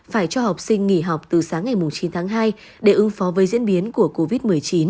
phải cho học sinh nghỉ học từ sáng ngày chín tháng hai để ứng phó với diễn biến của covid một mươi chín